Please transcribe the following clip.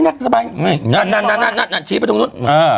นั่นชี้ไปตรงนู้น